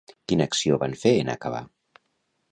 Quina acció van fer en acabar?